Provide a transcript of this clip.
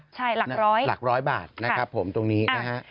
ใช่หลักร้อยหลักร้อยบาทนะครับผมตรงนี้นะฮะ